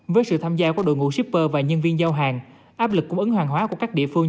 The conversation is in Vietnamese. với sự tham gia của đội ngũ shipper và nhân viên giao hàng áp lực cung ứng hàng hóa của các địa phương